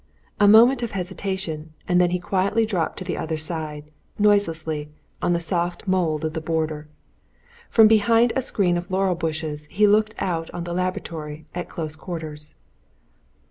A moment of hesitation, and then he quietly dropped to the other side, noiselessly, on the soft mould of the border. From behind a screen of laurel bushes he looked out on the laboratory, at close quarters.